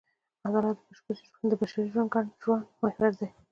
عدالت د بشري ګډ ژوند محور دی.